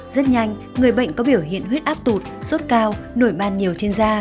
rất nhanh người bệnh có biểu hiện huyết áp tụt sốt cao nổi màn nhiều trên da